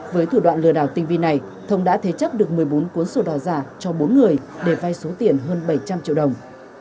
với thủ đoạn lừa đảo tinh vi này thông đã thế chấp được một mươi bốn cuốn sổ đỏ giả cho bốn người để vai số tiền hơn bảy trăm linh triệu đồng